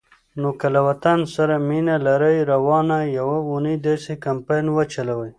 نو که له وطن سره مینه لرئ، روانه یوه اونۍ داسی کمپاین وچلوئ